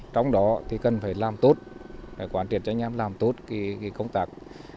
trong đó thì cần phải làm tốt quán triệt cho anh em làm tốt công tác